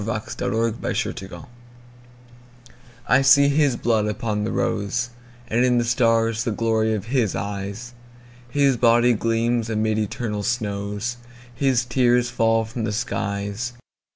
I see His Blood upon the Rose I SEE his blood upon the roseAnd in the stars the glory of his eyes, His body gleams amid eternal snows, His tears fall from the skies.